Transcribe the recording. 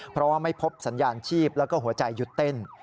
เพราะว่าไม่พบสัญญาณชีพแล้วก็หัวใจหยุดเต้น